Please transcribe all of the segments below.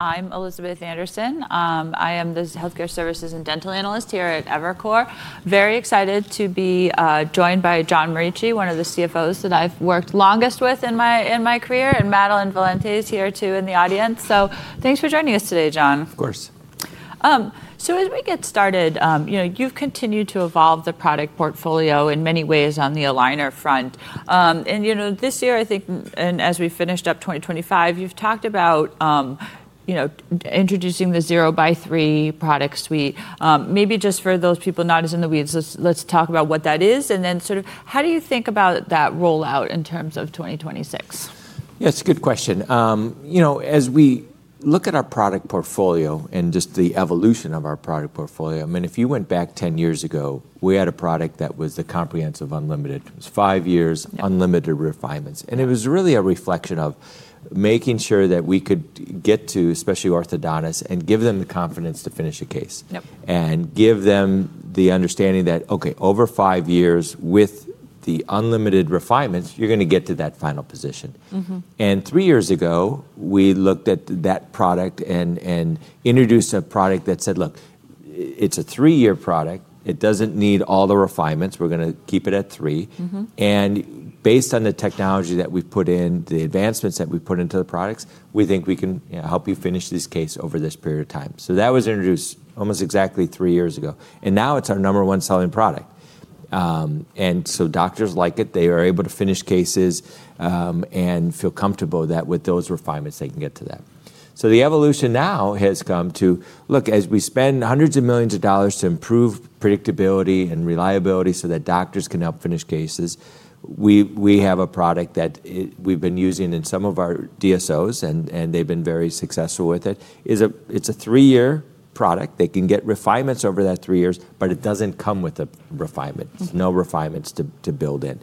I'm Elizabeth Anderson. I am the Healthcare Services and Dental Analyst here at Evercore. Very excited to be joined by John Morici, one of the CFOs that I've worked longest with in my career, and Madeline Valente is here too in the audience. So thanks for joining us today, John. Of course. So as we get started, you've continued to evolve the product portfolio in many ways on the aligner front. And this year, I think, and as we finished up 2025, you've talked about introducing the Zero by Three product suite. Maybe just for those people not as in the weeds, let's talk about what that is, and then sort of how do you think about that rollout in terms of 2026? Yeah, it's a good question. You know, as we look at our product portfolio and just the evolution of our product portfolio, I mean, if you went back 10 years ago, we had a product that was the Comprehensive Unlimited. It was five years, unlimited refinements. And it was really a reflection of making sure that we could get to, especially orthodontists, and give them the confidence to finish a case. And give them the understanding that, okay, over five years with the unlimited refinements, you're going to get to that final position. And three years ago, we looked at that product and introduced a product that said, look, it's a three-year product. It doesn't need all the refinements. We're going to keep it at three. And based on the technology that we've put in, the advancements that we've put into the products, we think we can help you finish this case over this period of time, so that was introduced almost exactly three years ago, and now it's our number one selling product, and so doctors like it. They are able to finish cases and feel comfortable that with those refinements, they can get to that, so the evolution now has come to, look, as we spend hundreds of millions of dollars to improve predictability and reliability so that doctors can help finish cases, we have a product that we've been using in some of our DSOs, and they've been very successful with it. It's a three-year product. They can get refinements over that three years, but it doesn't come with a refinement. There's no refinements to build in.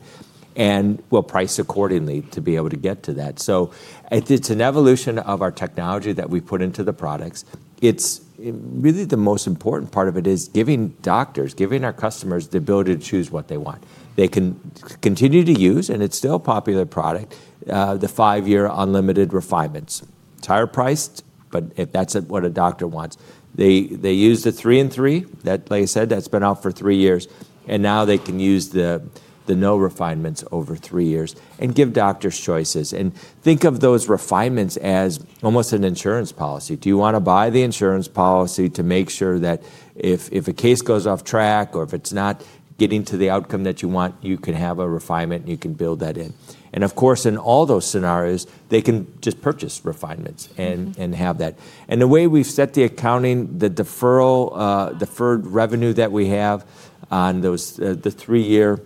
And we'll price accordingly to be able to get to that. So it's an evolution of our technology that we put into the products. It's really the most important part of it is giving doctors, giving our customers the ability to choose what they want. They can continue to use, and it's still a popular product, the five-year unlimited refinements. It's higher priced, but that's what a doctor wants. They use the three and three, like I said, that's been out for three years. And now they can use the no refinements over three years and give doctors choices. And think of those refinements as almost an insurance policy. Do you want to buy the insurance policy to make sure that if a case goes off track or if it's not getting to the outcome that you want, you can have a refinement and you can build that in? And of course, in all those scenarios, they can just purchase refinements and have that. And the way we've set the accounting, the deferred revenue that we have on the three-year,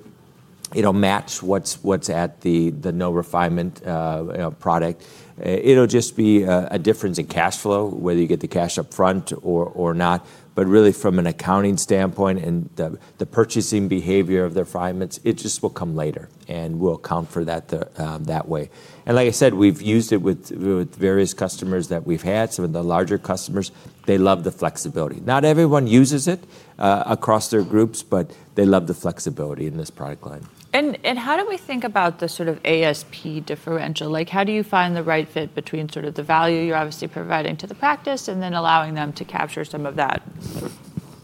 it'll match what's at the no refinement product. It'll just be a difference in cash flow, whether you get the cash upfront or not. But really, from an accounting standpoint and the purchasing behavior of the refinements, it just will come later. And we'll account for that that way. And like I said, we've used it with various customers that we've had. Some of the larger customers, they love the flexibility. Not everyone uses it across their groups, but they love the flexibility in this product line. How do we think about the sort of ASP differential? Like, how do you find the right fit between sort of the value you're obviously providing to the practice and then allowing them to capture some of that?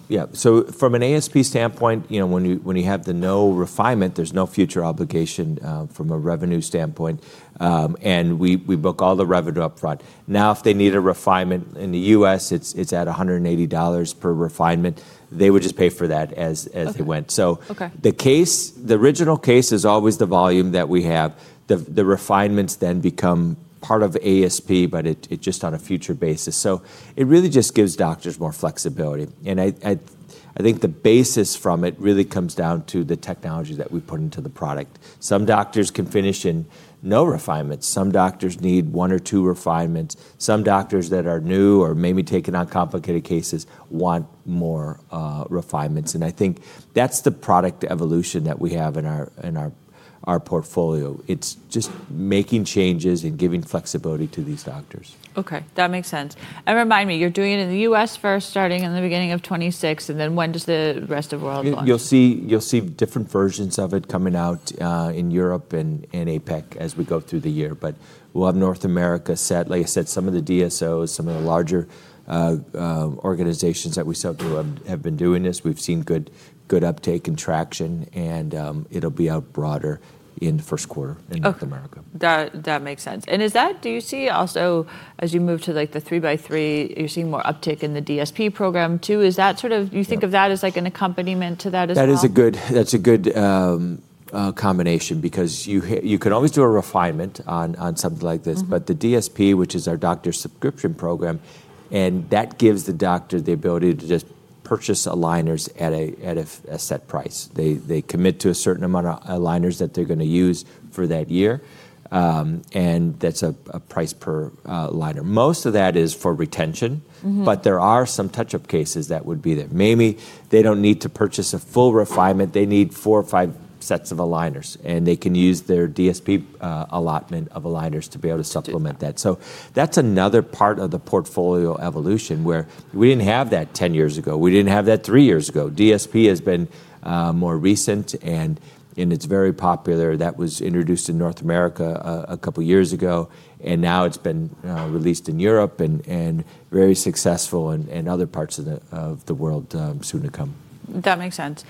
Yeah. So from an ASP standpoint, you know, when you have the no refinement, there's no future obligation from a revenue standpoint. And we book all the revenue upfront. Now, if they need a refinement in the U.S., it's at $180 per refinement. They would just pay for that as they went. So the case, the original case is always the volume that we have. The refinements then become part of ASP, but it's just on a future basis. So it really just gives doctors more flexibility. And I think the basis from it really comes down to the technology that we put into the product. Some doctors can finish in no refinements. Some doctors need one or two refinements. Some doctors that are new or maybe taking on complicated cases want more refinements. And I think that's the product evolution that we have in our portfolio. It's just making changes and giving flexibility to these doctors. Okay. That makes sense. And remind me, you're doing it in the U.S. first, starting in the beginning of 2026, and then when does the rest of the world launch? You'll see different versions of it coming out in Europe and APEC as we go through the year, but we'll have North America set, like I said. Some of the DSOs, some of the larger organizations that we sell to have been doing this. We've seen good uptake and traction, and it'll be out broader in the first quarter in North America. That makes sense. And is that, do you see also, as you move to like the three by three, you're seeing more uptake in the DSP program too? Is that sort of, you think of that as like an accompaniment to that as well? That is a good, that's a good combination because you can always do a refinement on something like this. But the DSP, which is our doctor's subscription program, and that gives the doctor the ability to just purchase aligners at a set price. They commit to a certain amount of aligners that they're going to use for that year. And that's a price per aligner. Most of that is for retention, but there are some touch-up cases that would be there. Maybe they don't need to purchase a full refinement. They need four or five sets of aligners, and they can use their DSP allotment of aligners to be able to supplement that. So that's another part of the portfolio evolution where we didn't have that 10 years ago. We didn't have that three years ago. DSP has been more recent, and it's very popular. That was introduced in North America a couple of years ago, and now it's been released in Europe and very successful in other parts of the world soon to come. That makes sense.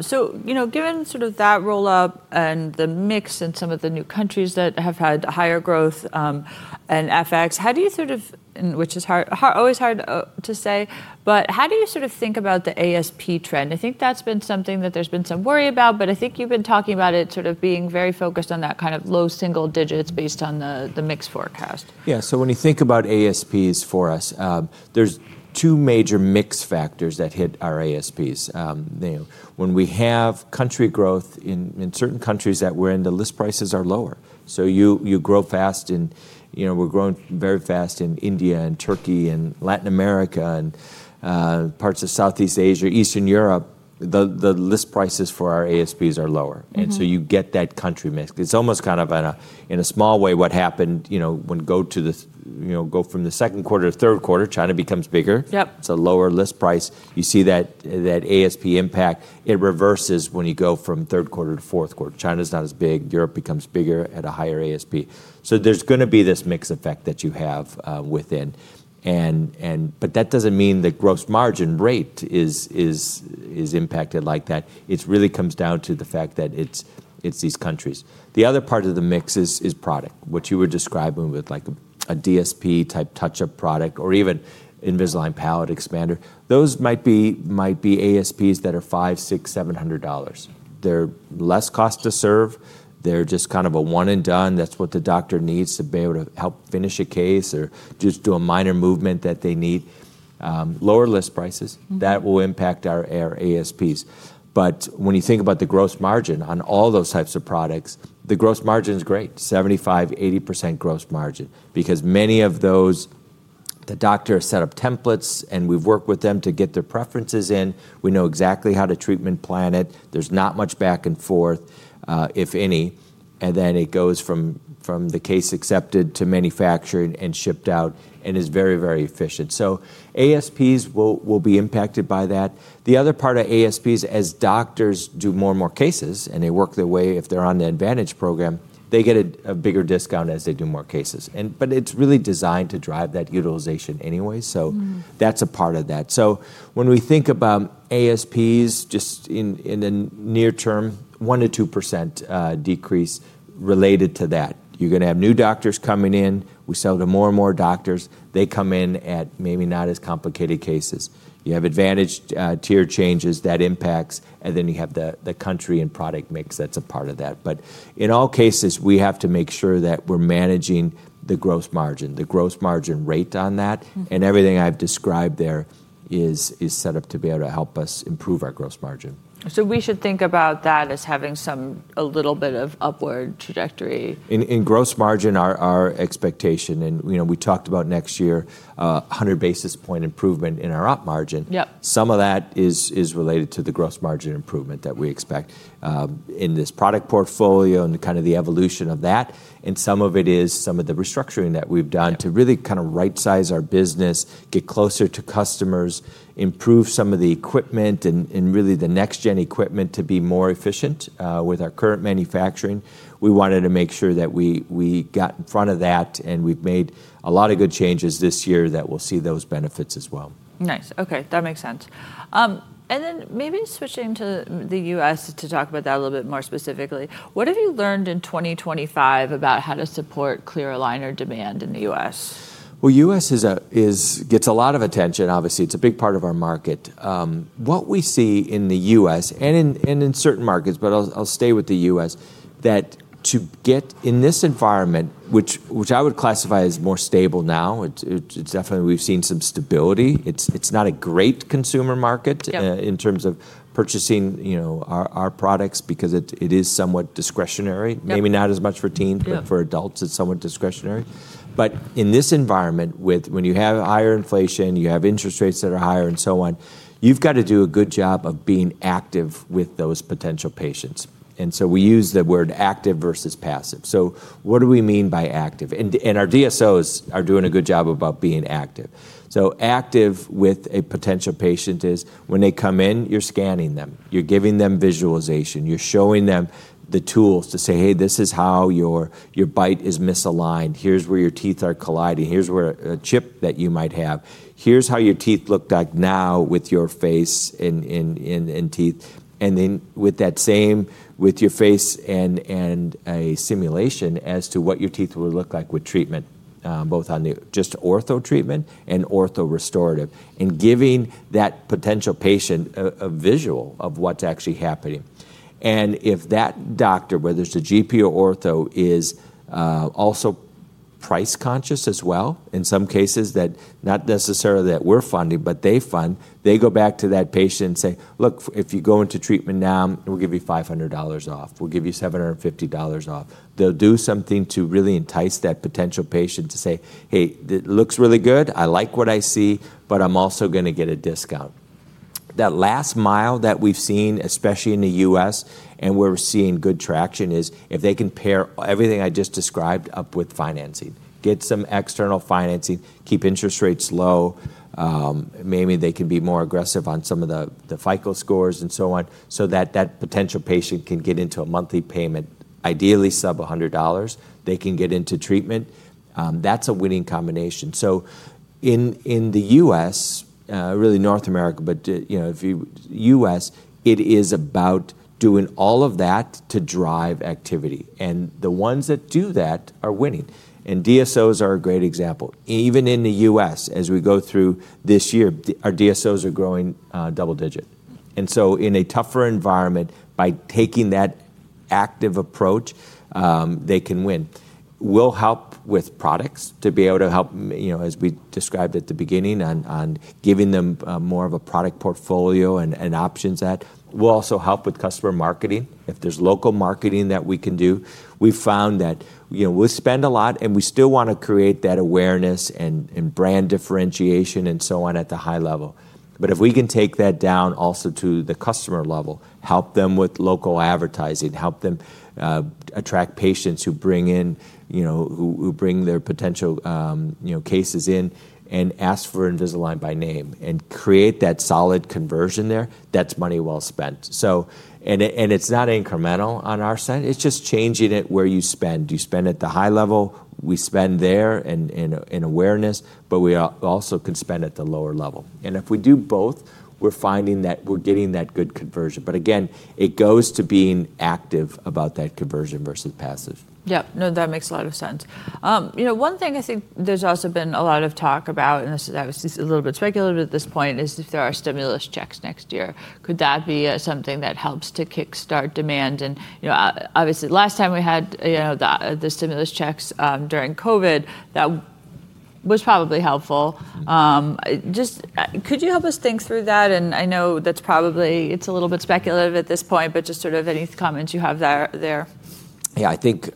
So, you know, given sort of that rollout and the mix and some of the new countries that have had higher growth and FX, how do you sort of, which is always hard to say, but how do you sort of think about the ASP trend? I think that's been something that there's been some worry about, but I think you've been talking about it sort of being very focused on that kind of low single digits based on the mix forecast. Yeah. So when you think about ASPs for us, there's two major mix factors that hit our ASPs. When we have country growth in certain countries that we're in, the list prices are lower. So you grow fast, and we're growing very fast in India and Turkey and Latin America and parts of Southeast Asia, Eastern Europe. The list prices for our ASPs are lower. And so you get that country mix. It's almost kind of in a small way what happened, you know, when you go from the second quarter to third quarter. China becomes bigger. It's a lower list price. You see that ASP impact. It reverses when you go from third quarter to fourth quarter. China's not as big. Europe becomes bigger at a higher ASP. So there's going to be this mix effect that you have within. But that doesn't mean the gross margin rate is impacted like that. It really comes down to the fact that it's these countries. The other part of the mix is product, which you were describing with like a DSP type touch-up product or even Invisalign Palate Expander. Those might be ASPs that are $500, $600, $700. They're less cost to serve. They're just kind of a one and done. That's what the doctor needs to be able to help finish a case or just do a minor movement that they need. Lower list prices, that will impact our ASPs. But when you think about the gross margin on all those types of products, the gross margin is great, 75%, 80% gross margin, because many of those, the doctor has set up templates, and we've worked with them to get their preferences in. We know exactly how to treatment plan it. There's not much back and forth, if any, and then it goes from the case accepted to manufactured and shipped out and is very, very efficient, so ASPs will be impacted by that. The other part of ASPs, as doctors do more and more cases and they work their way, if they're on the Advantage program, they get a bigger discount as they do more cases, but it's really designed to drive that utilization anyway, so that's a part of that. When we think about ASPs just in the near term, 1%-2% decrease related to that. You're going to have new doctors coming in. We sell to more and more doctors. They come in at maybe not as complicated cases. You have Advantage tier changes, that impacts, and then you have the country and product mix that's a part of that. But in all cases, we have to make sure that we're managing the gross margin, the gross margin rate on that. And everything I've described there is set up to be able to help us improve our gross margin. So we should think about that as having some a little bit of upward trajectory. In gross margin, our expectation, and we talked about next year, 100 basis points improvement in our op margin. Some of that is related to the gross margin improvement that we expect in this product portfolio and kind of the evolution of that, and some of it is some of the restructuring that we've done to really kind of right-size our business, get closer to customers, improve some of the equipment and really the next-gen equipment to be more efficient with our current manufacturing. We wanted to make sure that we got in front of that, and we've made a lot of good changes this year that we'll see those benefits as well. Nice. Okay. That makes sense, and then maybe switching to the U.S. to talk about that a little bit more specifically, what have you learned in 2025 about how to support clear aligner demand in the U.S.? U.S. gets a lot of attention. Obviously, it's a big part of our market. What we see in the U.S. and in certain markets, but I'll stay with the U.S., that to get in this environment, which I would classify as more stable now, it's definitely, we've seen some stability. It's not a great consumer market in terms of purchasing our products because it is somewhat discretionary. Maybe not as much for teens, but for adults, it's somewhat discretionary. But in this environment, when you have higher inflation, you have interest rates that are higher and so on, you've got to do a good job of being active with those potential patients. And so we use the word active versus passive. So what do we mean by active? And our DSOs are doing a good job about being active. So active with a potential patient is when they come in, you're scanning them. You're giving them visualization. You're showing them the tools to say, "Hey, this is how your bite is misaligned. Here's where your teeth are colliding. Here's where a chip that you might have. Here's how your teeth look like now with your face and teeth." And then with that same with your face and a simulation as to what your teeth will look like with treatment, both on just ortho treatment and ortho restorative and giving that potential patient a visual of what's actually happening. And if that doctor, whether it's a GP or ortho, is also price conscious as well, in some cases, that not necessarily that we're funding, but they fund, they go back to that patient and say, "Look, if you go into treatment now, we'll give you $500 off. We'll give you $750 off." They'll do something to really entice that potential patient to say, "Hey, it looks really good. I like what I see, but I'm also going to get a discount." That last mile that we've seen, especially in the US, and we're seeing good traction is if they can pair everything I just described up with financing, get some external financing, keep interest rates low. Maybe they can be more aggressive on some of the FICO scores and so on so that that potential patient can get into a monthly payment, ideally sub $100. They can get into treatment. That's a winning combination. So in the U.S., really North America, but you know, in the U.S., it is about doing all of that to drive activity. And the ones. that do that are winning. And DSOs are a great example. Even in the U.S., as we go through this year, our DSOs are growing double-digit, and so in a tougher environment, by taking that active approach, they can win. We'll help with products to be able to help, you know, as we described at the beginning on giving them more of a product portfolio and options that will also help with customer marketing. If there's local marketing that we can do, we've found that we'll spend a lot and we still want to create that awareness and brand differentiation and so on at the high level, but if we can take that down also to the customer level, help them with local advertising, help them attract patients who bring in, you know, who bring their potential cases in and ask for Invisalign by name and create that solid conversion there, that's money well spent. So, and it's not incremental on our side. It's just changing it where you spend. You spend at the high level. We spend there in awareness, but we also can spend at the lower level. And if we do both, we're finding that we're getting that good conversion. But again, it goes to being active about that conversion versus passive. Yeah. No, that makes a lot of sense. You know, one thing I think there's also been a lot of talk about, and this is a little bit speculative at this point, is if there are stimulus checks next year. Could that be something that helps to kickstart demand? And obviously, last time we had the stimulus checks during COVID, that was probably helpful. Just could you help us think through that? And I know that's probably, it's a little bit speculative at this point, but just sort of any comments you have there. Yeah, I think,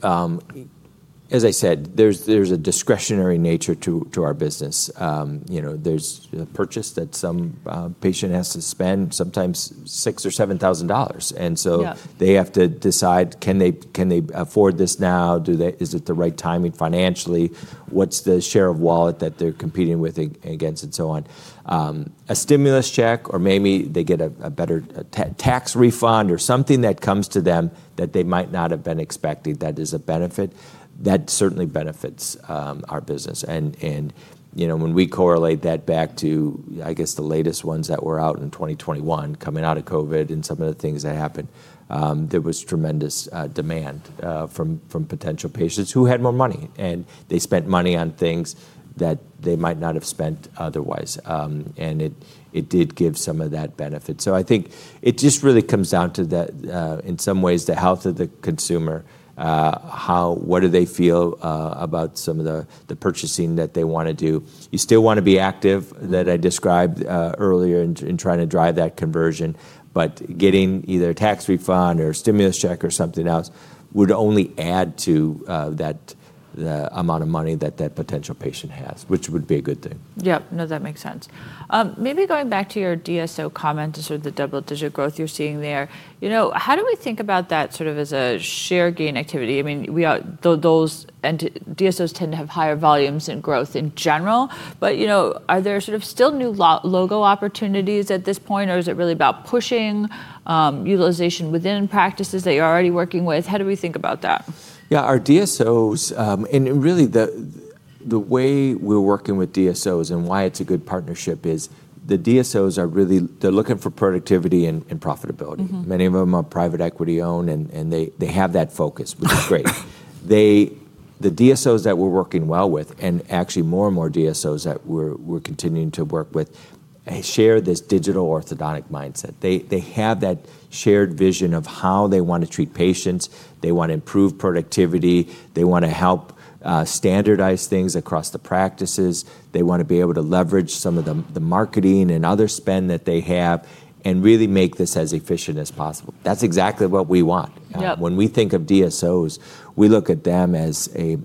as I said, there's a discretionary nature to our business. There's a purchase that some patient has to spend sometimes $6,000 or $7,000. And so they have to decide, can they afford this now? Is it the right timing financially? What's the share of wallet that they're competing with against and so on? A stimulus check, or maybe they get a better tax refund or something that comes to them that they might not have been expecting that is a benefit that certainly benefits our business. And when we correlate that back to, I guess, the latest ones that were out in 2021, coming out of COVID and some of the things that happened, there was tremendous demand from potential patients who had more money. And they spent money on things that they might not have spent otherwise. And it did give some of that benefit. So I think it just really comes down to that. In some ways, the health of the consumer, how what do they feel about some of the purchasing that they want to do. You still want to be active that I described earlier in trying to drive that conversion, but getting either a tax refund or a stimulus check or something else would only add to that amount of money that that potential patient has, which would be a good thing. Yep. No, that makes sense. Maybe going back to your DSO comment to sort of the double digit growth you're seeing there, you know, how do we think about that sort of as a share gain activity? I mean, those DSOs tend to have higher volumes and growth in general, but you know, are there sort of still new logo opportunities at this point, or is it really about pushing utilization within practices that you're already working with? How do we think about that? Yeah, our DSOs, and really the way we're working with DSOs and why it's a good partnership is the DSOs are really, they're looking for productivity and profitability. Many of them are private equity owned and they have that focus, which is great. The DSOs that we're working well with and actually more and more DSOs that we're continuing to work with share this digital orthodontic mindset. They have that shared vision of how they want to treat patients. They want to improve productivity. They want to help standardize things across the practices. They want to be able to leverage some of the marketing and other spend that they have and really make this as efficient as possible. That's exactly what we want. When we think of DSOs, we look at them as a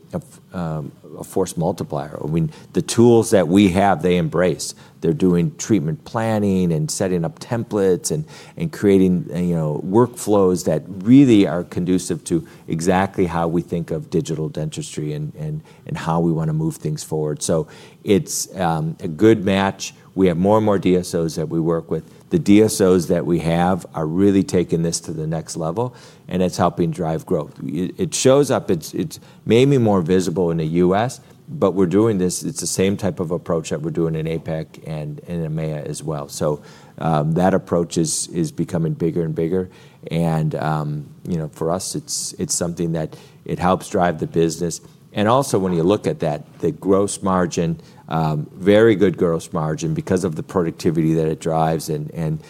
force multiplier. I mean, the tools that we have, they embrace. They're doing treatment planning and setting up templates and creating workflows that really are conducive to exactly how we think of digital dentistry and how we want to move things forward, so it's a good match. We have more and more DSOs that we work with. The DSOs that we have are really taking this to the next level, and it's helping drive growth. It shows up. It's maybe more visible in the U.S. , but we're doing this. It's the same type of approach that we're doing in APEC and EMEA as well, so that approach is becoming bigger and bigger, and for us, it's something that helps drive the business, and also when you look at that, the gross margin, very good gross margin because of the productivity that it drives, and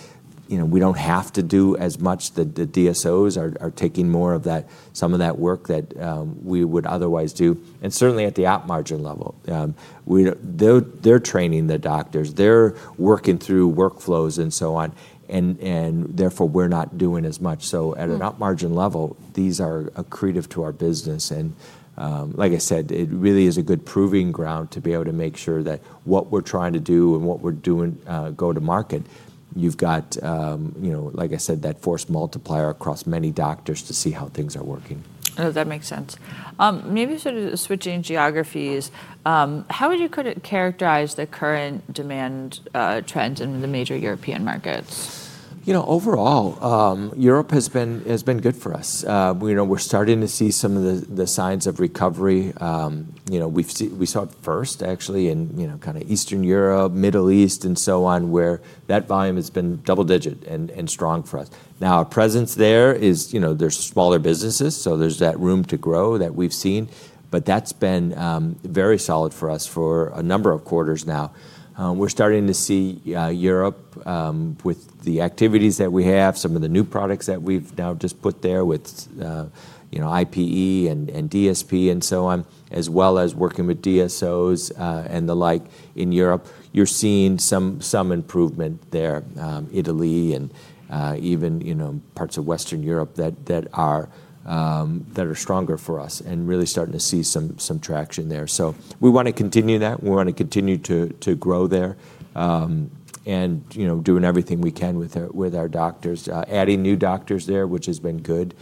we don't have to do as much. The DSOs are taking more of that, some of that work that we would otherwise do. And certainly at the Op margin level, they're training the doctors. They're working through workflows and so on. And therefore, we're not doing as much. So at an Op margin level, these are accretive to our business. And like I said, it really is a good proving ground to be able to make sure that what we're trying to do and what we're doing go to market. You've got, like I said, that force multiplier across many doctors to see how things are working. That makes sense. Maybe sort of switching geographies, how would you characterize the current demand trends in the major European markets? You know, overall, Europe has been good for us. We're starting to see some of the signs of recovery. We saw it first, actually, in kind of Eastern Europe, Middle East, and so on, where that volume has been double-digit and strong for us. Now, our presence there is, there's smaller businesses, so there's that room to grow that we've seen, but that's been very solid for us for a number of quarters now. We're starting to see Europe with the activities that we have, some of the new products that we've now just put there with IPE and DSP and so on, as well as working with DSOs and the like in Europe. You're seeing some improvement there, Italy and even parts of Western Europe that are stronger for us and really starting to see some traction there. So we want to continue that. We want to continue to grow there and doing everything we can with our doctors, adding new doctors there, which has been good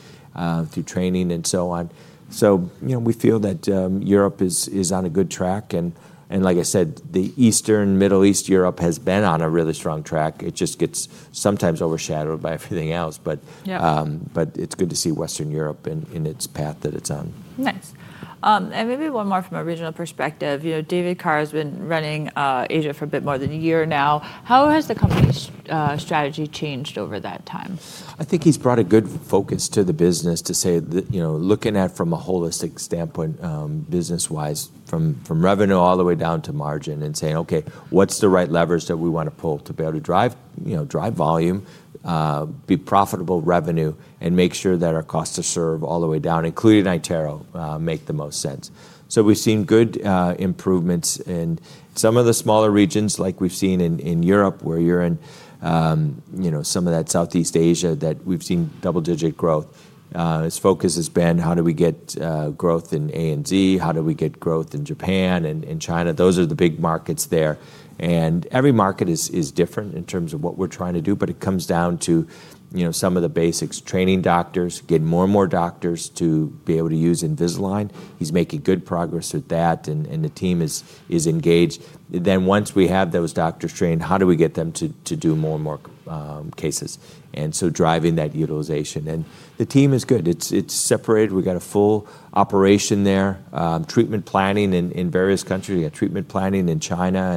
through training and so on. So we feel that Europe is on a good track. And like I said, Eastern Europe, Middle East, Europe has been on a really strong track. It just gets sometimes overshadowed by everything else, but it's good to see Western Europe in its path that it's on. Nice. And maybe one more from a regional perspective. David Carr has been running Asia for a bit more than a year now. How has the company's strategy changed over that time? I think he's brought a good focus to the business to say, looking at from a holistic standpoint, business-wise, from revenue all the way down to margin and saying, "Okay, what's the right levers that we want to pull to be able to drive volume, be profitable revenue, and make sure that our cost to serve all the way down, including iTero, make the most sense?" So we've seen good improvements in some of the smaller regions, like we've seen in Europe, where you're in some of that Southeast Asia that we've seen double-digit growth. His focus has been, how do we get growth in A and Z? How do we get growth in Japan and China? Those are the big markets there, and every market is different in terms of what we're trying to do, but it comes down to some of the basics. Training doctors, getting more and more doctors to be able to use Invisalign. He's making good progress with that, and the team is engaged. Then once we have those doctors trained, how do we get them to do more and more cases, and so driving that utilization, and the team is good. It's separated. We've got a full operation there, treatment planning in various countries. We've got treatment planning in China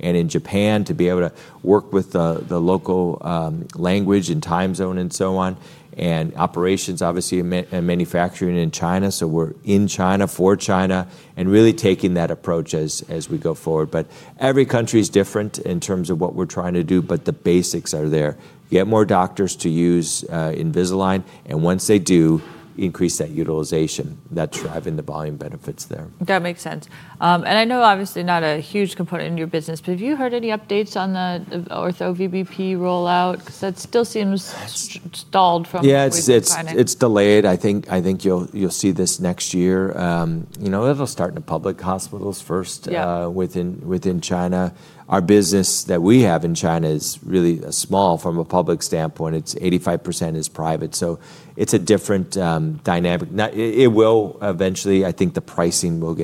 and in Japan to be able to work with the local language and time zone and so on, and operations, obviously, manufacturing in China, so we're in China for China and really taking that approach as we go forward, but every country is different in terms of what we're trying to do, but the basics are there. Get more doctors to use Invisalign, and once they do, increase that utilization. That's driving the volume benefits there. That makes sense. And I know obviously not a huge component in your business, but have you heard any updates on the Ortho VBP rollout? Because that still seems stalled from what we're finding. Yeah, it's delayed. I think you'll see this next year. It'll start in the public hospitals first within China. Our business that we have in China is really small from a public standpoint. It's 85% private. So it's a different dynamic. It will eventually, I think the pricing will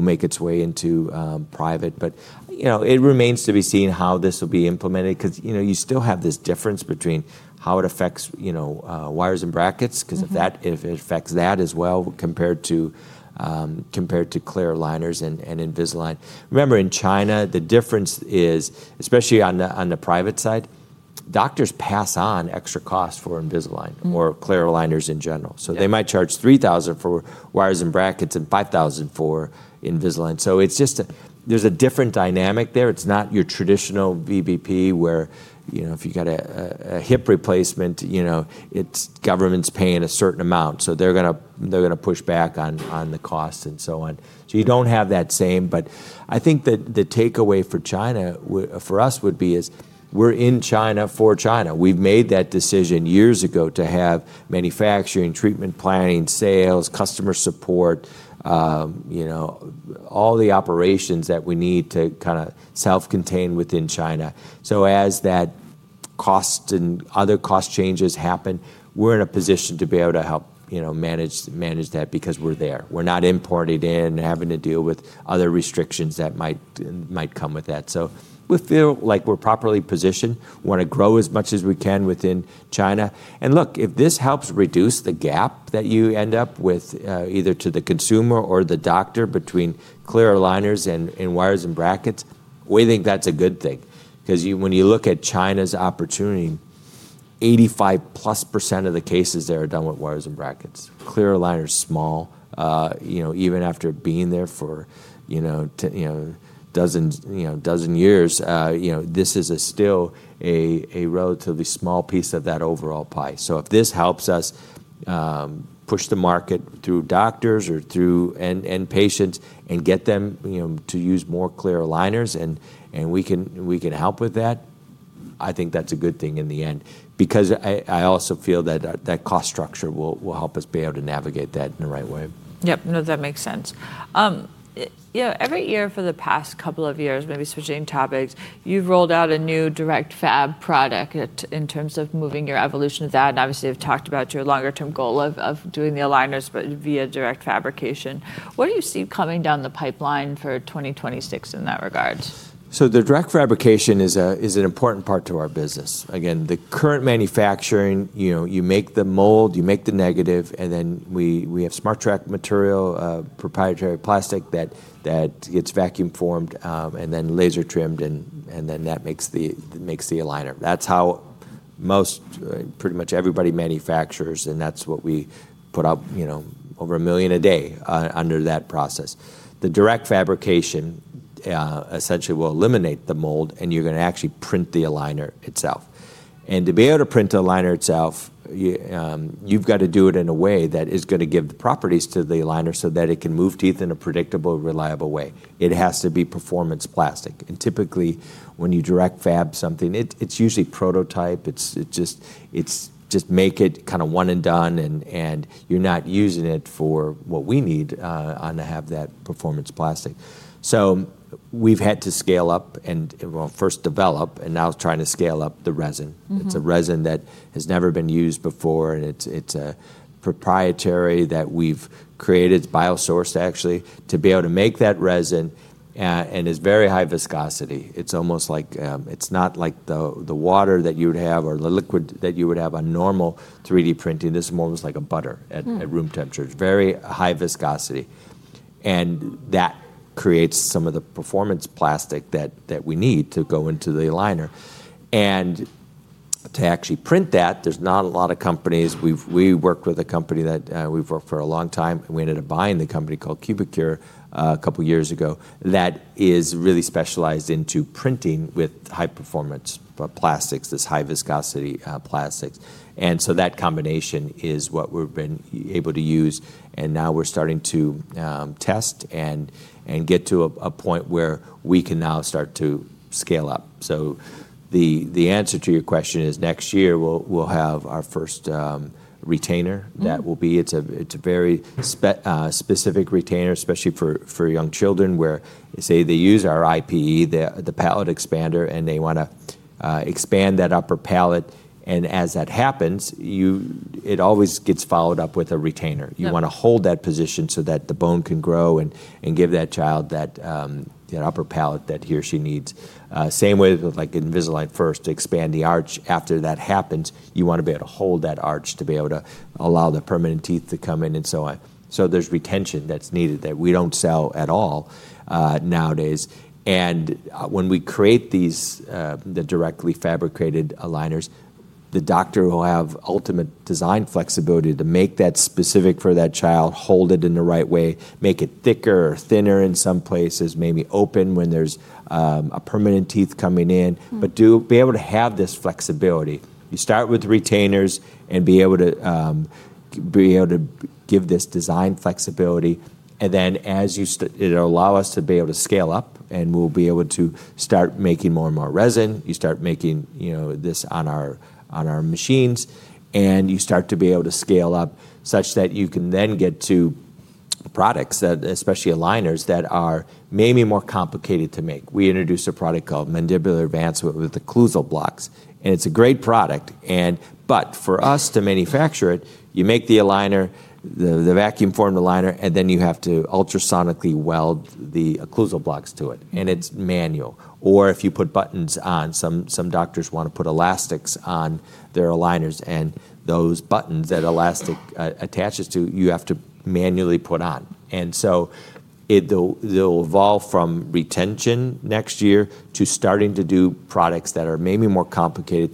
make its way into private. But it remains to be seen how this will be implemented because you still have this difference between how it affects wires and brackets because if it affects that as well compared to clear aligners and Invisalign. Remember, in China, the difference is, especially on the private side, doctors pass on extra costs for Invisalign or clear aligners in general. So they might charge $3,000 for wires and brackets and $5,000 for Invisalign. So there's a different dynamic there. It's not your traditional VBP where if you've got a hip replacement, it's government's paying a certain amount. So they're going to push back on the cost and so on. So you don't have that same. But I think the takeaway for China, for us, would be is we're in China for China. We've made that decision years ago to have manufacturing, treatment planning, sales, customer support, all the operations that we need to kind of self-contain within China. So as that cost and other cost changes happen, we're in a position to be able to help manage that because we're there. We're not imported in and having to deal with other restrictions that might come with that. So we feel like we're properly positioned. We want to grow as much as we can within China. And look, if this helps reduce the gap that you end up with either to the consumer or the doctor between clear aligners and wires and brackets, we think that's a good thing. Because when you look at China's opportunity, 85+% of the cases there are done with wires and brackets. Clear aligner is small. Even after being there for a dozen years, this is still a relatively small piece of that overall pie. So if this helps us push the market through doctors or through end patients and get them to use more clear aligners and we can help with that, I think that's a good thing in the end because I also feel that that cost structure will help us be able to navigate that in the right way. Yep. No, that makes sense. Every year for the past couple of years, maybe switching topics, you've rolled out a new direct fab product in terms of moving your evolution of that. And obviously, you've talked about your longer-term goal of doing the aligners, but via direct fabrication. What do you see coming down the pipeline for 2026 in that regard? So the direct fabrication is an important part to our business. Again, the current manufacturing, you make the mold, you make the negative, and then we have SmartTrack material, proprietary plastic that gets vacuum formed and then laser trimmed, and then that makes the aligner. That's how pretty much everybody manufactures, and that's what we put out over a million a day under that process. The direct fabrication essentially will eliminate the mold, and you're going to actually print the aligner itself. And to be able to print the aligner itself, you've got to do it in a way that is going to give the properties to the aligner so that it can move teeth in a predictable, reliable way. It has to be performance plastic. And typically, when you direct fab something, it's usually prototype. It's just to make it kind of one and done, and you're not using it for what we need in order to have that performance plastic. So we've had to scale up and first develop, and now trying to scale up the resin. It's a resin that has never been used before, and it's proprietary that we've created. It's bio-sourced, actually, to be able to make that resin and is very high viscosity. It's almost like it's not like the water that you would have or the liquid that you would have on normal 3D printing. This is more almost like a butter at room temperature. It's very high viscosity. And that creates some of the performance plastic that we need to go into the aligner. And to actually print that, there's not a lot of companies. We worked with a company that we've worked with for a long time. We ended up buying the company called Cubicure a couple of years ago that is really specialized into printing with high performance plastics, this high viscosity plastics. That combination is what we've been able to use. Now we're starting to test and get to a point where we can now start to scale up. The answer to your question is next year, we'll have our first retainer that will be. It's a very specific retainer, especially for young children where they say they use our IPE, the palate expander, and they want to expand that upper palate. As that happens, it always gets followed up with a retainer. You want to hold that position so that the bone can grow and give that child that upper palate that he or she needs. Same way with Invisalign First to expand the arch. After that happens, you want to be able to hold that arch to be able to allow the permanent teeth to come in and so on. So there's retention that's needed that we don't sell at all nowadays. And when we create the directly fabricated aligners, the doctor will have ultimate design flexibility to make that specific for that child, hold it in the right way, make it thicker or thinner in some places, maybe open when there's a permanent teeth coming in, but be able to have this flexibility. You start with retainers and be able to give this design flexibility. And then as you allow us to be able to scale up, and we'll be able to start making more and more resin. You start making this on our machines, and you start to be able to scale up such that you can then get to products, especially aligners, that are maybe more complicated to make. We introduced a product called Mandibular Advance with occlusal blocks, and it's a great product, but for us to manufacture it, you make the aligner, the vacuum formed aligner, and then you have to ultrasonically weld the occlusal blocks to it, and it's manual, or if you put buttons on, some doctors want to put elastics on their aligners, and those buttons that elastic attaches to, you have to manually put on, and so they'll evolve from retention next year to starting to do products that are maybe more complicated,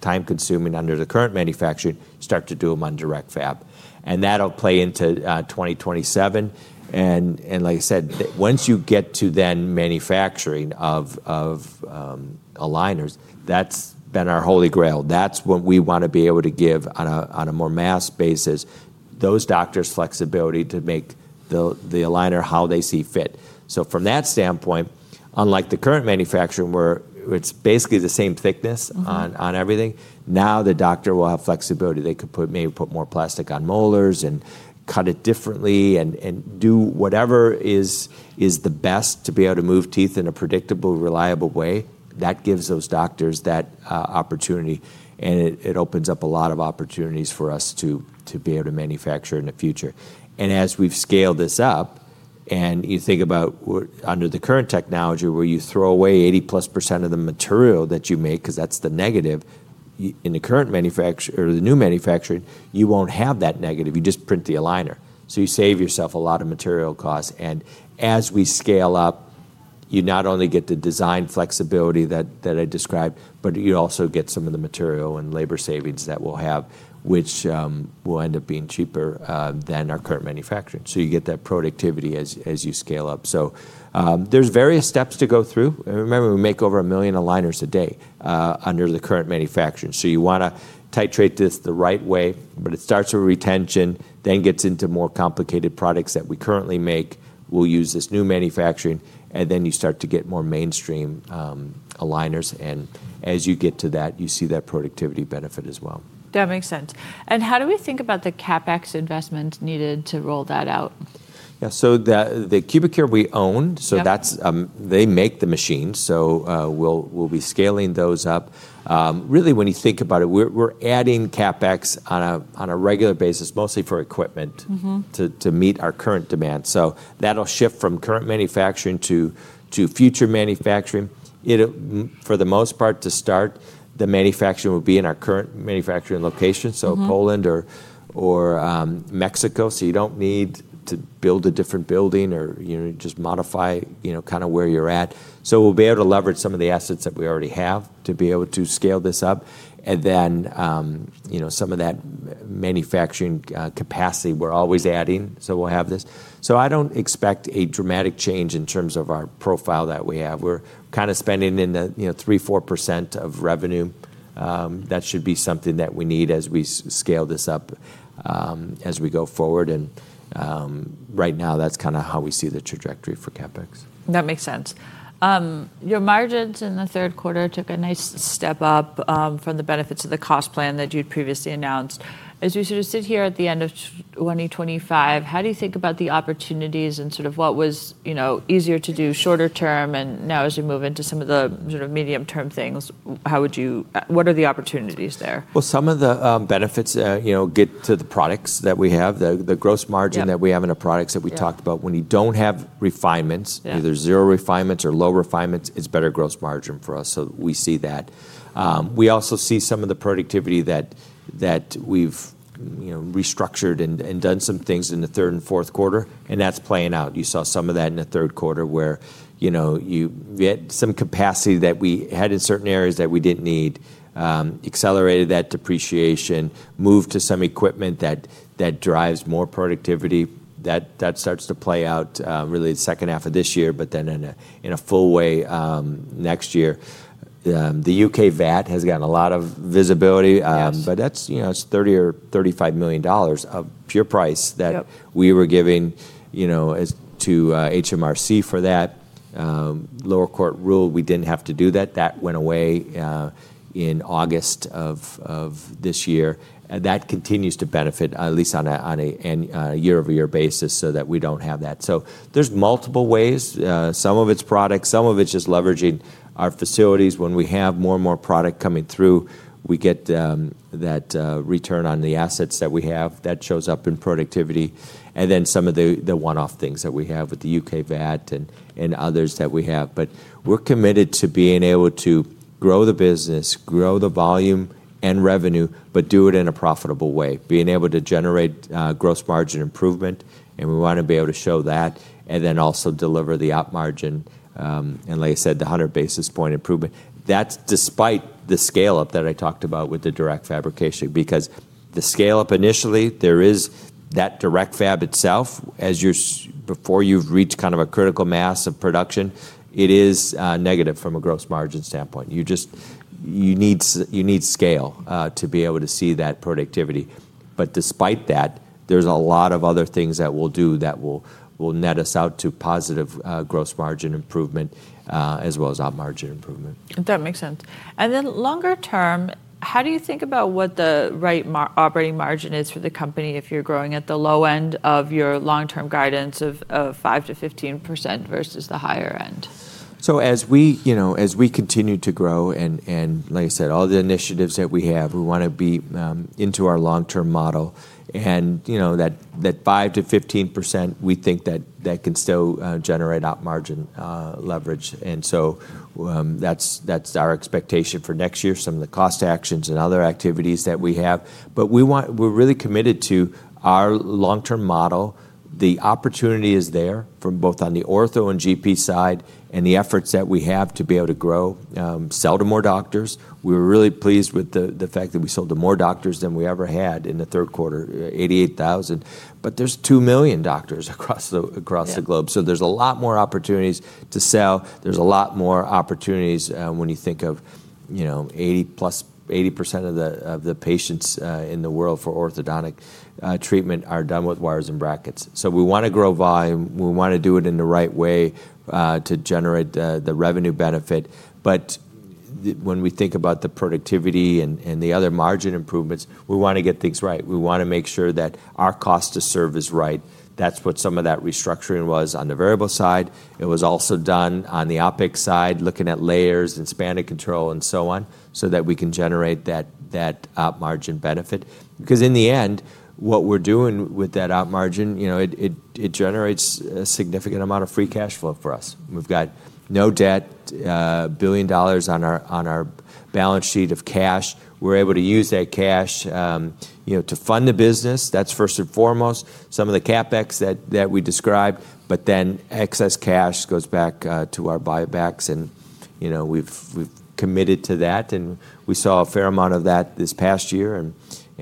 time-consuming under the current manufacturing, start to do them on direct fab, and that'll play into 2027. And, like I said, once you get to the manufacturing of aligners, that's been our holy grail. That's what we want to be able to give on a more mass basis, those doctors' flexibility to make the aligner how they see fit. So from that standpoint, unlike the current manufacturing, where it's basically the same thickness on everything, now the doctor will have flexibility. They could maybe put more plastic on molars and cut it differently and do whatever is the best to be able to move teeth in a predictable, reliable way. That gives those doctors that opportunity. And it opens up a lot of opportunities for us to be able to manufacture in the future. And as we've scaled this up, and you think about under the current technology where you throw away 80% plus of the material that you make because that's the negative. In the current manufacturer or the new manufacturer, you won't have that negative. You just print the aligner. So you save yourself a lot of material costs. And as we scale up, you not only get the design flexibility that I described, but you also get some of the material and labor savings that we'll have, which will end up being cheaper than our current manufacturing. So you get that productivity as you scale up. So there's various steps to go through. Remember, we make over a million aligners a day under the current manufacturing. So you want to titrate this the right way, but it starts with retention, then gets into more complicated products that we currently make. We'll use this new manufacturing, and then you start to get more mainstream aligners, and as you get to that, you see that productivity benefit as well. That makes sense. How do we think about the CapEx investment needed to roll that out? Yeah. So the Cubicure we own, so they make the machines. So we'll be scaling those up. Really, when you think about it, we're adding CapEx on a regular basis, mostly for equipment to meet our current demand. So that'll shift from current manufacturing to future manufacturing. For the most part, to start, the manufacturing will be in our current manufacturing location, so Poland or Mexico. So you don't need to build a different building or just modify kind of where you're at. So we'll be able to leverage some of the assets that we already have to be able to scale this up, and then some of that manufacturing capacity, we're always adding. So we'll have this. So I don't expect a dramatic change in terms of our profile that we have. We're kind of spending in the 3%-4% of revenue. That should be something that we need as we scale this up as we go forward. And right now, that's kind of how we see the trajectory for CapEx. That makes sense. Your margins in the third quarter took a nice step up from the benefits of the cost plan that you'd previously announced. As you sort of sit here at the end of 2025, how do you think about the opportunities and sort of what was easier to do shorter term? And now, as you move into some of the sort of medium-term things, what are the opportunities there? Some of the benefits get to the products that we have, the gross margin that we have in the products that we talked about. When you don't have refinements, either zero refinements or low refinements, it's better gross margin for us. We see that. We also see some of the productivity that we've restructured and done some things in the third and fourth quarter. That's playing out. You saw some of that in the third quarter where you get some capacity that we had in certain areas that we didn't need, accelerated that depreciation, moved to some equipment that drives more productivity. That starts to play out really the second half of this year, but then in a full way next year. The U.K VAT has gotten a lot of visibility. But it's $30 or $35 million of pure price that we were giving to HMRC for that. Lower court rule, we didn't have to do that. That went away in August of this year. That continues to benefit, at least on a year-over-year basis, so that we don't have that. So there's multiple ways. Some of it's product. Some of it's just leveraging our facilities. When we have more and more product coming through, we get that return on the assets that we have. That shows up in productivity. And then some of the one-off things that we have with the U.K., VAT and others that we have. But we're committed to being able to grow the business, grow the volume and revenue, but do it in a profitable way. Being able to generate gross margin improvement. We want to be able to show that and then also deliver the op margin. And like I said, the 100 basis points improvement. That's despite the scale-up that I talked about with the direct fabrication. Because the scale-up initially, there is that direct fab itself. Before you've reached kind of a critical mass of production, it is negative from a gross margin standpoint. You need scale to be able to see that productivity. But despite that, there's a lot of other things that we'll do that will net us out to positive gross margin improvement as well as op margin improvement. That makes sense. And then longer term, how do you think about what the right operating margin is for the company if you're growing at the low end of your long-term guidance of 5%-15% versus the higher end? So as we continue to grow, and like I said, all the initiatives that we have, we want to be into our long-term model. And that 5%-15%, we think that can still generate op margin leverage. And so that's our expectation for next year, some of the cost actions and other activities that we have. But we're really committed to our long-term model. The opportunity is there from both on the ortho and GP side and the efforts that we have to be able to grow, sell to more doctors. We're really pleased with the fact that we sold to more doctors than we ever had in the third quarter, 88,000. But there's 2 million doctors across the globe. So there's a lot more opportunities to sell. There's a lot more opportunities when you think of 80% of the patients in the world for orthodontic treatment are done with wires and brackets. So we want to grow volume. We want to do it in the right way to generate the revenue benefit. But when we think about the productivity and the other margin improvements, we want to get things right. We want to make sure that our cost to serve is right. That's what some of that restructuring was on the variable side. It was also done on the OpEx side, looking at labor and spending control and so on, so that we can generate that Op margin benefit. Because in the end, what we're doing with that Op margin, it generates a significant amount of free cash flow for us. We've got no debt, $1 billion on our balance sheet of cash. We're able to use that cash to fund the business. That's first and foremost, some of the CapEx that we described. But then excess cash goes back to our buybacks. And we've committed to that. And we saw a fair amount of that this past year.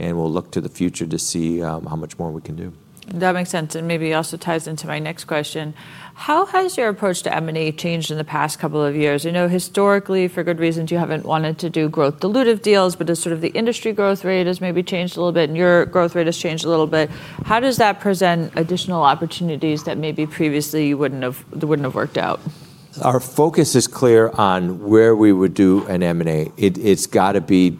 And we'll look to the future to see how much more we can do. That makes sense. Maybe it also ties into my next question. How has your approach to M&A changed in the past couple of years? I know historically, for good reasons, you haven't wanted to do growth dilutive deals, but sort of the industry growth rate has maybe changed a little bit. Your growth rate has changed a little bit. How does that present additional opportunities that maybe previously wouldn't have worked out? Our focus is clear on where we would do an M&A. It's got to be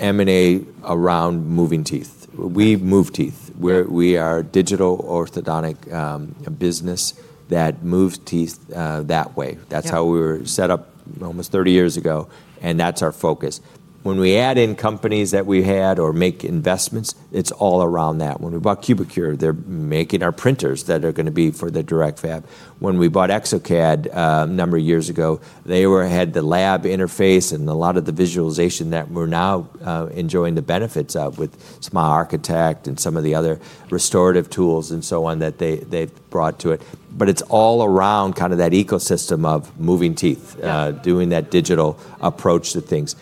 M&A around moving teeth. We move teeth. We are a digital orthodontic business that moves teeth that way. That's how we were set up almost 30 years ago, and that's our focus. When we add in companies that we had or make investments, it's all around that. When we bought Cubicure, they're making our printers that are going to be for the direct fab. When we bought Exocad a number of years ago, they had the lab interface and a lot of the visualization that we're now enjoying the benefits of with Smile Architect and some of the other restorative tools and so on that they've brought to it, but it's all around kind of that ecosystem of moving teeth, doing that digital approach to things,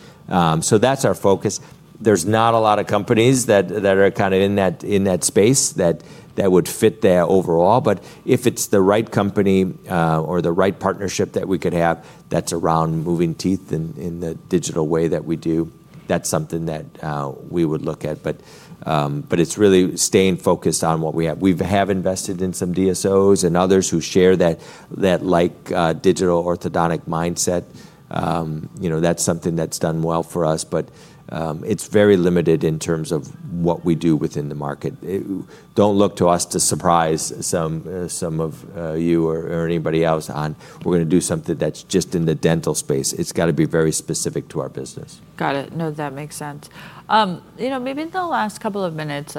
so that's our focus. There's not a lot of companies that are kind of in that space that would fit their overall. But if it's the right company or the right partnership that we could have that's around moving teeth in the digital way that we do, that's something that we would look at. But it's really staying focused on what we have. We have invested in some DSOs and others who share that like digital orthodontic mindset. That's something that's done well for us. But it's very limited in terms of what we do within the market. Don't look to us to surprise some of you or anybody else on we're going to do something that's just in the dental space. It's got to be very specific to our business. Got it. No, that makes sense. Maybe in the last couple of minutes,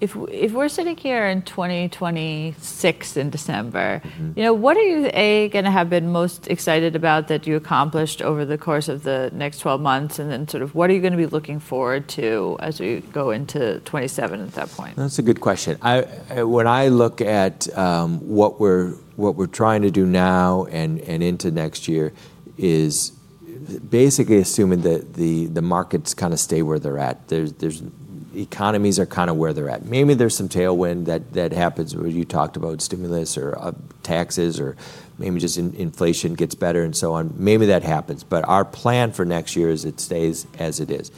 if we're sitting here in 2026 in December, what are you going to have been most excited about that you accomplished over the course of the next 12 months? And then sort of what are you going to be looking forward to as we go into 2027 at that point? That's a good question. When I look at what we're trying to do now and into next year is basically assuming that the markets kind of stay where they're at. The economies are kind of where they're at. Maybe there's some tailwind that happens where you talked about stimulus or taxes or maybe just inflation gets better and so on. Maybe that happens. But our plan for next year is it stays as it is.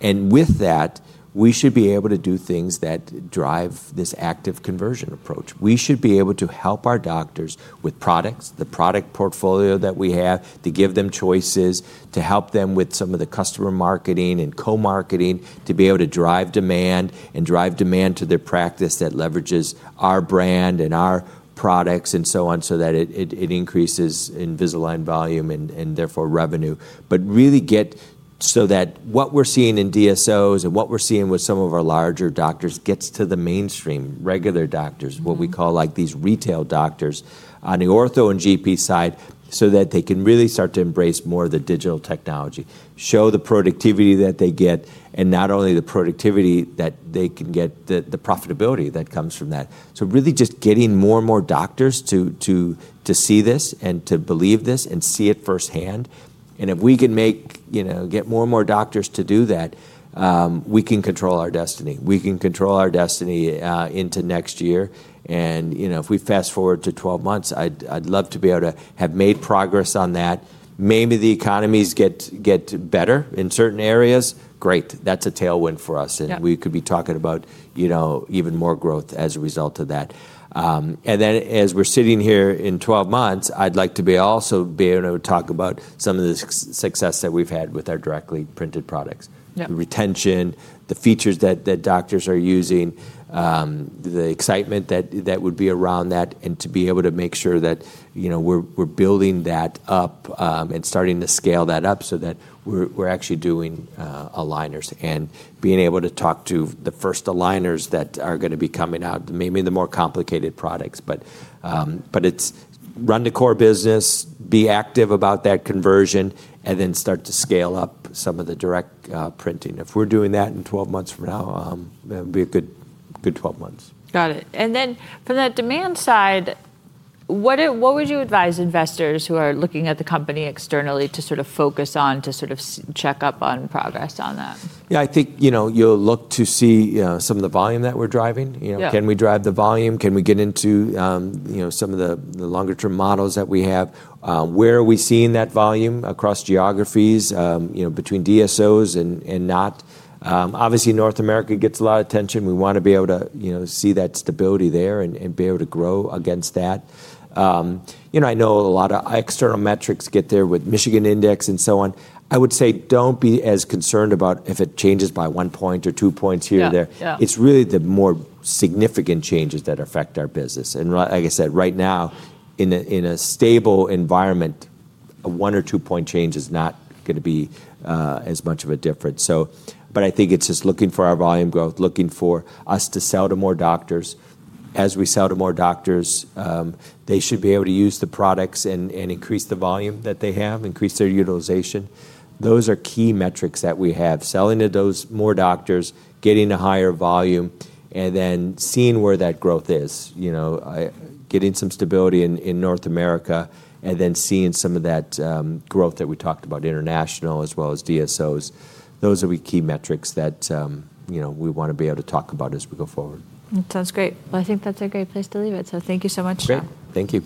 And with that, we should be able to do things that drive this active conversion approach. We should be able to help our doctors with products, the product portfolio that we have, to give them choices, to help them with some of the customer marketing and co-marketing, to be able to drive demand and drive demand to their practice that leverages our brand and our products and so on so that it increases Invisalign volume and therefore revenue. But really get so that what we're seeing in DSOs and what we're seeing with some of our larger doctors gets to the mainstream regular doctors, what we call these retail doctors on the ortho and GP side so that they can really start to embrace more of the digital technology, show the productivity that they get, and not only the productivity that they can get, the profitability that comes from that. So really just getting more and more doctors to see this and to believe this and see it firsthand. And if we can get more and more doctors to do that, we can control our destiny. We can control our destiny into next year. And if we fast forward to 12 months, I'd love to be able to have made progress on that. Maybe the economies get better in certain areas. Great. That's a tailwind for us. And we could be talking about even more growth as a result of that. Then, as we're sitting here in 12 months, I'd like to also be able to talk about some of the success that we've had with our directly printed products, the retention, the features that doctors are using, the excitement that would be around that, and to be able to make sure that we're building that up and starting to scale that up so that we're actually doing aligners and being able to talk to the first aligners that are going to be coming out, maybe the more complicated products. But it's run the core business, be active about that conversion, and then start to scale up some of the direct printing. If we're doing that in 12 months from now, that would be a good 12 months. Got it. And then from that demand side, what would you advise investors who are looking at the company externally to sort of focus on to sort of check up on progress on that? Yeah, I think you'll look to see some of the volume that we're driving. Can we drive the volume? Can we get into some of the longer-term models that we have? Where are we seeing that volume across geographies between DSOs and not? Obviously, North America gets a lot of attention. We want to be able to see that stability there and be able to grow against that. I know a lot of external metrics get there with Michigan Index and so on. I would say don't be as concerned about if it changes by one point or two points here or there. It's really the more significant changes that affect our business, and like I said, right now, in a stable environment, a one or two-point change is not going to be as much of a difference. But I think it's just looking for our volume growth, looking for us to sell to more doctors. As we sell to more doctors, they should be able to use the products and increase the volume that they have, increase their utilization. Those are key metrics that we have. Selling to those more doctors, getting a higher volume, and then seeing where that growth is, getting some stability in North America, and then seeing some of that growth that we talked about international as well as DSOs. Those are key metrics that we want to be able to talk about as we go forward. That sounds great. Well, I think that's a great place to leave it. So thank you so much. Great. Thank you.